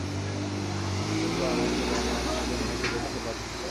বলল আমাকে-বাবা-মা এদের নাকি দেখতে পাচ্ছে।